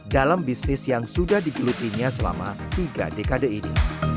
dalam bisnis yang sudah digelutinya selama tiga dekade ini